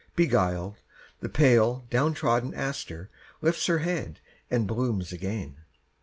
Beguiled, the pale down trodden aster lifts Her head and blooms again.